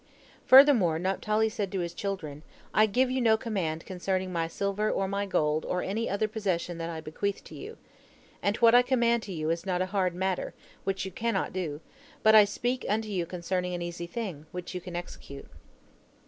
Furthermore Naphtali said unto his children: "I give you no command concerning my silver, or my gold, or any other possession that I bequeath to you. And what I command you is not a hard matter, which you cannot do, but I speak unto you concerning an easy thing, which you can execute."